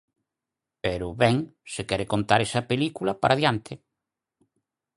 Pero, ben, se quere contar esa película, para diante.